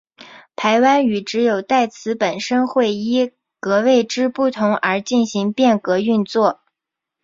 排湾语只有代词本身会依格位之不同而进行变格运作。